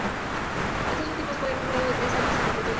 Este último fue un grado de tres años que completó en dos.